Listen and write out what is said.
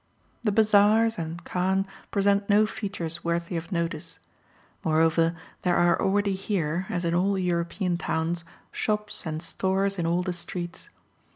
The bazaars and chan present no features worthy of notice; moreover, there are already here, as in all European towns, shops and stores in all the streets.